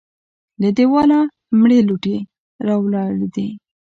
له دېواله مړې لوټې راولوېدې.